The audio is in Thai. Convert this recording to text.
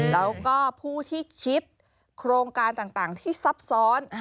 แล้วก็ผู้ที่คิดโครงการต่างที่ซับซ้อน